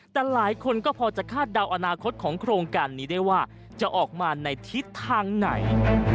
แต่หลายคนก็พอจะคาดเดาอนาคตของโครงการนี้ได้ว่าจะออกมาในทิศทางไหน